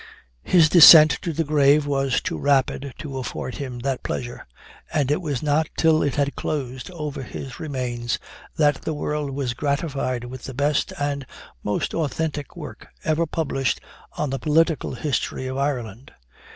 His descent to the grave was too rapid to afford him that pleasure; and it was not till it had closed over his remains, that the world was gratified with the best and most authentic work ever published on the political history of Ireland.